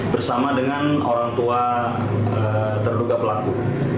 bersama dengan orang tua terduga pelaku